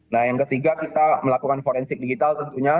nah yang ketiga kita melakukan forensik digital tentunya